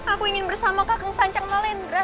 aku ingin bersama kakek sancang malendra